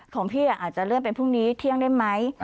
ของพี่อาจจะเลื่อนไปพรุ่งนี้เที่ยงได้ไหม